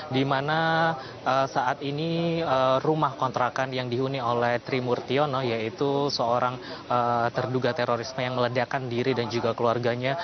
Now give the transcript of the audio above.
di mana saat ini rumah kontrakan yang dihuni oleh trimurtiono yaitu seorang terduga terorisme yang meledakan diri dan juga keluarganya